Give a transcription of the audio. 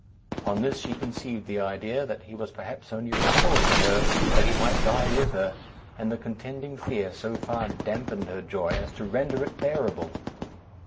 On this she conceived the idea, that he was perhaps only restored to her, that he might die with her; and the contending fear so far damped her joy, as to render it bearable.